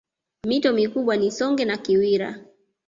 Mito mikubwa ni Songwe na Kiwira